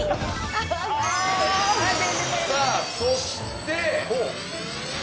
そして。